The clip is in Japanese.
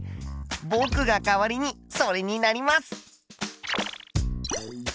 ぼくが代わりにそれになります！